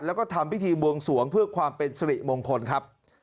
แล้วก็ทำพิธีบวงสวงเพื่อความเป็นสริมงคลครับ